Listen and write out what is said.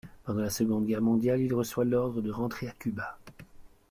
Pendant la Seconde Guerre mondiale, il reçoit l'ordre de rentrer à Cuba.